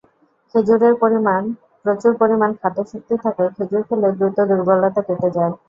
খেজুরে প্রচুর পরিমাণ খাদ্যশক্তি থাকায়, খেজুর খেলে দ্রুত দুর্বলতা কেটে যায়।